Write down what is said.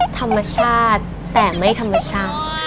ธรรมชาติแต่ไม่ธรรมชาติ